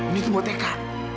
ini tuh buat eka